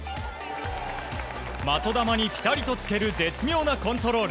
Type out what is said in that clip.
的球にぴたりとつける絶妙なコントロール。